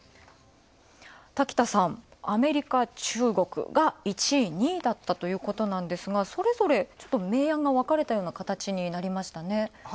滝田さん、アメリカ、中国が、１位、２位だったということなんですが、それぞれ明暗が分かれたような形になりましたね。